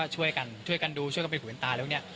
ช่วยกันดูช่วยกันผิวหืนตายแล้วเนี่ย